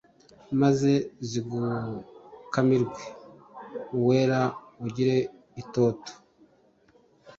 Maze zigukamirwe Uwera ugire itoto